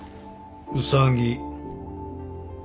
ウサギ